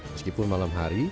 meskipun malam hari